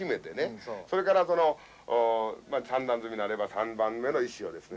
それから３段積みなれば３番目の石をですね